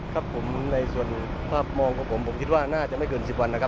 ครับผมในส่วนภาพมองของผมผมคิดว่าน่าจะไม่เกิน๑๐วันนะครับ